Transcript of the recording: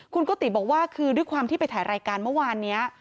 คุณกุฏิบอกว่าคือด้วยความที่ไปถ่ายรายการเมื่อวานนี้